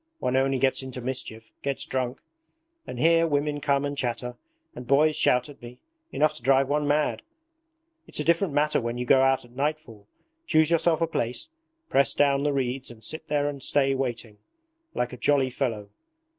One only gets into mischief, gets drunk. And here women come and chatter, and boys shout at me enough to drive one mad. It's a different matter when you go out at nightfall, choose yourself a place, press down the reeds and sit there and stay waiting, like a jolly fellow.